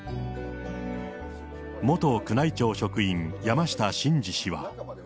元宮内庁職員、山下晋司氏は。